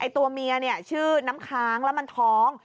ตัวเมียชื่อน้ำค้างแล้วมันท้อง